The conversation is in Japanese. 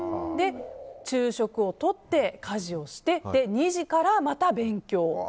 昼食をとって家事をして２時からまた勉強。